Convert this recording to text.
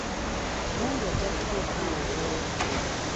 Nange nja kutuuka awo w’oli.